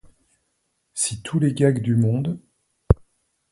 Si tous les gags du monde...